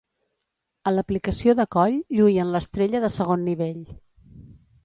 A l'aplicació de coll, lluïen l'estrella de segon nivell.